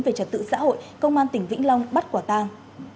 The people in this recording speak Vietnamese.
về trật tự xã hội công an tỉnh vĩnh long bắt quả tang